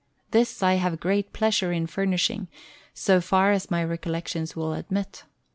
This I have great pleasure in furnishing, so far as my recollection will admit.